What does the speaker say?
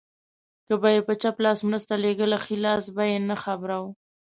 که به يې په چپ لاس مرسته لېږله ښی لاس به يې ناخبره و.